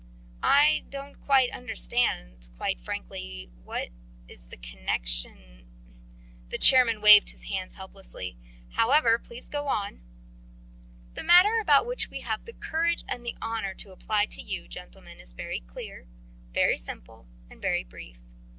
"I don't quite understand ... quite frankly ... what is the connection..." The chairman waved his hands helplessly. "However, please go on." "The matter about which we have the courage and the honour to apply to you, gentlemen, is very clear, very simple, and very brief.